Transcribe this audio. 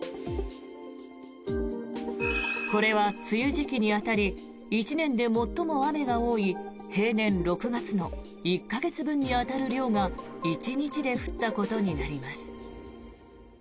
これは、梅雨時期に当たり１年で最も雨が多い平年６月の１か月分に当たる量が１日で降ったことになります。